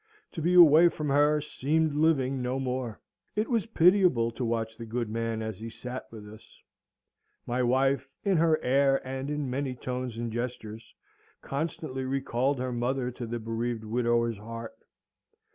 To be away from her seemed living no more. It was pitiable to watch the good man as he sate with us. My wife, in her air and in many tones and gestures, constantly recalled her mother to the bereaved widower's heart.